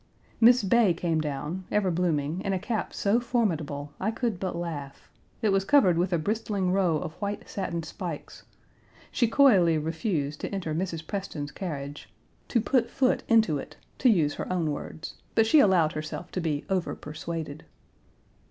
Miss Bay came down, ever blooming, in a cap so formidable, I could but laugh. It was covered with a bristling row of white satin spikes. She coyly refused to enter Mrs. Preston's carriage "to put foot into it," to use her own words; but she allowed herself to be overpersuaded.